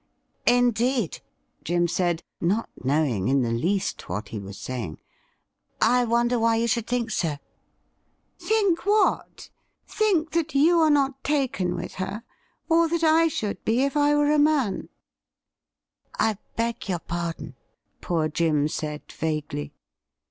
' Indeed !' Jim said, not knowing in the least what he was saying. ' I wonder why you should think so .'''' Think what .'' Think that you are not taken with her, or that I should be if I were a man ?'' I beg your pardon,' poor Jim said vaguely.